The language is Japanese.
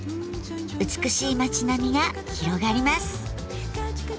美しい町並みが広がります。